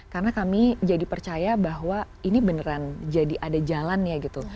karena kami jadi percaya bahwa ini beneran jadi ada jalannya gitu